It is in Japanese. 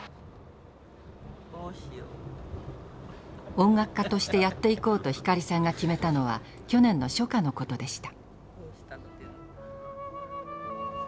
音楽家としてやっていこうと光さんが決めたのは去年の初夏のことでした。